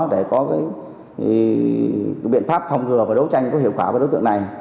để có cái biện pháp phòng rửa và đấu tranh có hiệu quả với đối tượng này